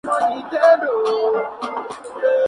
Tienen un largo peciolo.